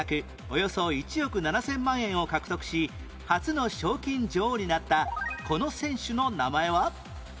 およそ１億７０００万円を獲得し初の賞金女王になったこの選手の名前は？